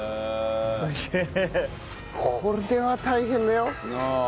これは大変だよ。